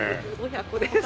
親子です。